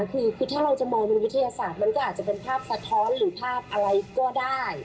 คือถ้าเราจะมองเป็นวิทยาศาสตร์มันก็อาจจะเป็นภาพสะท้อนหรือภาพอะไรก็ได้